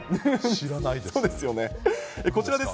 知らないです。